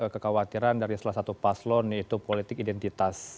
kekhawatiran dari salah satu paslon yaitu politik identitas